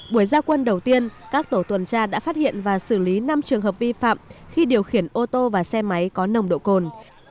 buổi gia quân đầu tiên các tổ tuần tra đã phát hiện và xử lý năm trường hợp vi phạm khi điều khiển ô tô và xe máy có nồng độ cồn